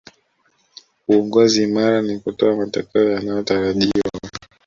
uongozi imara ni kutoa matokeo yanayotarajiwa